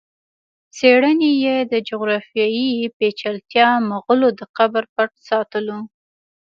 څېړني یې د جغرافیایي پېچلتیا، مغولو د قبر پټ ساتلو